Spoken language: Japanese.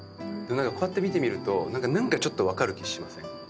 何かこうやって見てみるとちょっと分かる気しません？